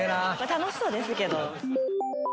楽しそうですけど。